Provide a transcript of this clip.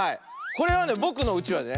これはねぼくのうちわでね